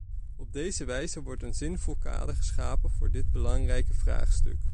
Op deze wijze wordt een zinvol kader geschapen voor dit belangrijke vraagstuk.